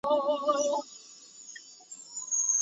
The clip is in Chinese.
滨海拉普兰人口变化图示